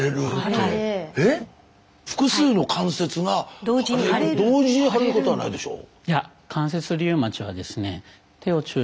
複数の関節が同時に腫れることはないでしょう。